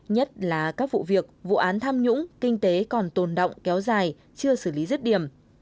nhất là các vụ việc vụ án tham nhũng kinh tế còn tồn động kéo dài chưa xử lý rứt điểm